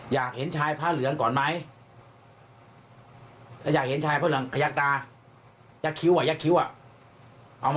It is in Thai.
ยักษ์คิ้วเอาไหม